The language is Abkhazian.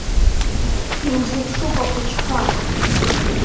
Иузыԥшуп ахәыҷқәа!